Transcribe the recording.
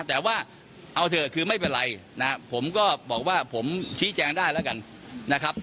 แต่ว่าเอาเถอะคือไม่เป็นไรนะครับผมก็บอกว่าผมชี้แจงได้แล้วกันนะครับ